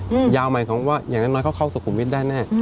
ยาวแน่เลยยาวใหม่ของว่าอย่างน้อยเข้าสุขุมวิทย์ได้แน่